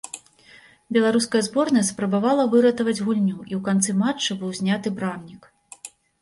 Беларуская зборная спрабавала выратаваць гульню і ў канцы матча быў зняты брамнік.